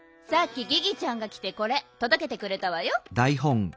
さっきギギちゃんがきてこれとどけてくれたわよ。